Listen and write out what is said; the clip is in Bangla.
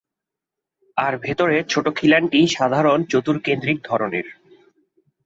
আর ভেতরের ছোট খিলানটি সাধারণ চতুর্কেন্দ্রিক ধরনের।